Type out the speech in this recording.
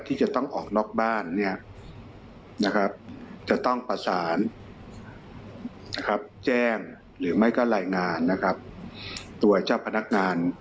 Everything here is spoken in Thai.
ที่จะต้องออกนอกบ้าน